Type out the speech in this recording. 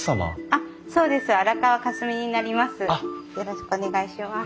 あっそうです。